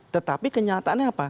tetapi kenyataannya apa